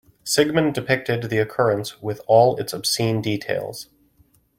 Sigmund depicted the occurrence with all its obscene details.